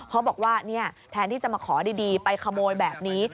เขาบอกว่าแทนที่จะมาขอดีไปขโมยแบบนี้